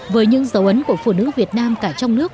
với những dấu ấn của phụ nữ việt nam cả trong nước